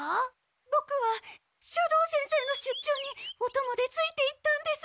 ボクは斜堂先生の出張におともでついていったんです。